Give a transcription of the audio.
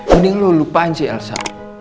mending lo lupain si elsa